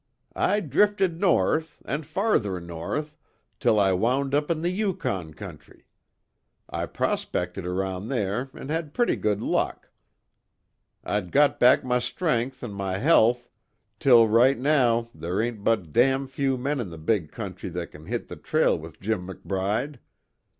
I drifted north, and farther north, till I wound up in the Yukon country. I prospected around there an' had pretty good luck. I'd got back my strength an' my health till right now there ain't but damn few men in the big country that can hit the trail with Jim McBride.